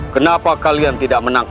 kenapa kalian tidak menang